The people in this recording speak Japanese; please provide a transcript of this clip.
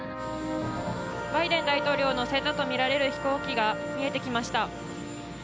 バイデン大統領を乗せたとみられる飛行機が見えてきました。